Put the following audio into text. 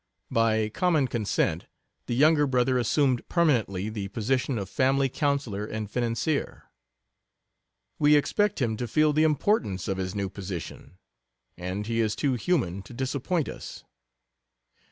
By common consent the younger brother assumed permanently the position of family counselor and financier. We expect him to feel the importance of his new position, and he is too human to disappoint us.